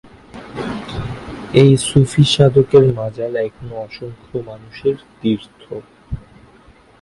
এ সুফি সাধকের মাজার এখনো অসংখ্য মানুষের তীর্থ।